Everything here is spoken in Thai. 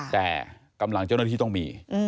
แต่กำลังเจ้าหน้าที่ต้องมี